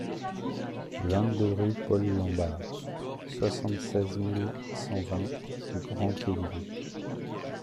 vingt-deux rue Paul Lambard, soixante-seize mille cent vingt Le Grand-Quevilly